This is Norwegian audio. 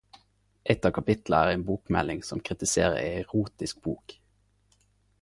Eit av kapitla er ei bokmelding som kritiserer ei erotisk bok.